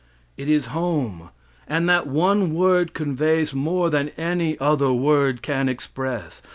It is home, and that one word conveys more than any other word can express.